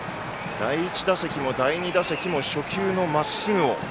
第１打席も第２打席も初球のまっすぐを。